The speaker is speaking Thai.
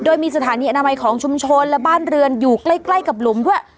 โดยมีสถานีอนามัยของชุมชนและบ้านเรือนอยู่ใกล้กับหลุมด้วย